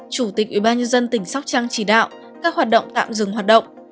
chủ tịch ủy ban nhân dân tỉnh sóc trăng chỉ đạo các hoạt động tạm dừng hoạt động